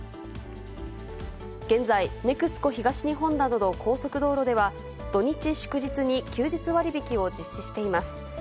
現在、ＮＥＸＣＯ東日本などの高速道路では、土日・祝日に休日割引を実施しています。